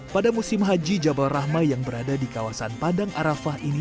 pada musim haji jabal rahma yang berada di kawasan padang arafah ini